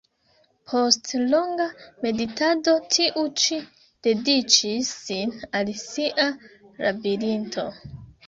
Post longa meditado, tiu ĉi dediĉis sin al sia "Labirinto".